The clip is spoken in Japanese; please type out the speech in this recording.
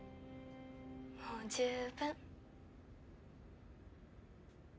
もう十分。